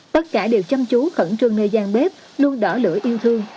tất cả đều chăm chú khẩn trương nơi gian bếp luôn đỏ lửa yêu thương